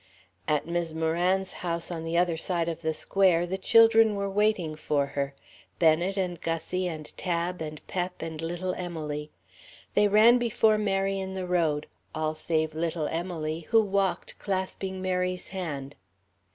At Mis' Moran's house on the other side of the square, the children were waiting for her Bennet and Gussie and Tab and Pep and little Emily. They ran before Mary in the road, all save little Emily, who walked clasping Mary's hand.